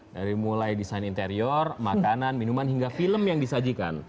dari mulai desain interior makanan minuman hingga film yang disajikan